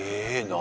何？